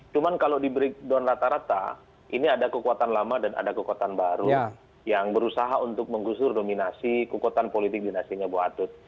cuma kalau di breakdown rata rata ini ada kekuatan lama dan ada kekuatan baru yang berusaha untuk menggusur dominasi kekuatan politik dinastinya bu atut